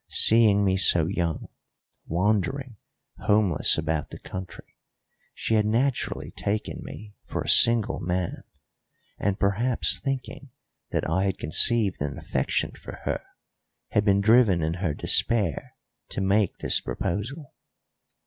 Seeing me so young, wandering homeless about the country, she had naturally taken me for a single man; and, perhaps thinking that I had conceived an affection for her, had been driven in her despair to make this proposal.